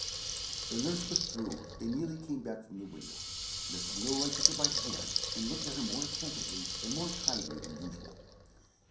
The nurse withdrew; and Neelie came back from the window. Mrs. Milroy took her by the hand, and looked at her more attentively and more kindly than usual.